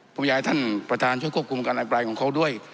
ผมอยากให้ท่านประธานช่วยควบคุมการอภิปรายของเขาด้วย